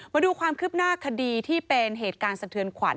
มาดูความคืบหน้าคดีที่เป็นเหตุการณ์สะเทือนขวัญ